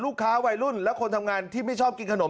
วัยรุ่นและคนทำงานที่ไม่ชอบกินขนม